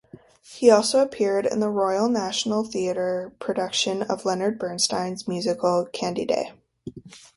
He also appeared in the Royal National Theatre production of Leonard Bernstein's musical "Candide".